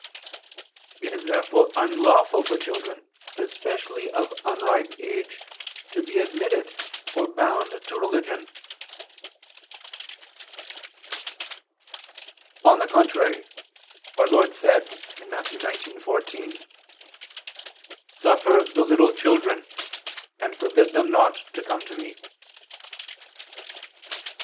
It is therefore unlawful for children, especially of unripe age, to be admitted or bound to religion. On the contrary, our Lord said (Matt. 19:14): "Suffer the little children, and forbid them not to come to Me."